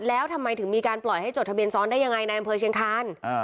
แล้วทำไมถึงมีการปล่อยให้จดทะเบียนซ้อนได้ยังไงในอำเภอเชียงคาน